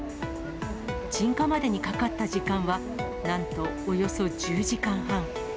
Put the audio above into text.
鎮火までにかかった時間は、なんとおよそ１０時間半。